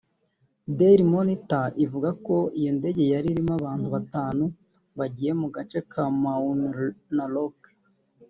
Daily Monitor ivuga ko iyo ndege yari irimo abantu batanu bagiye mu gace ka Mau Narok